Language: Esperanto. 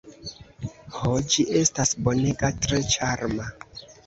Ho, ĝi estas bonega, tre ĉarma!